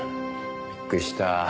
びっくりした。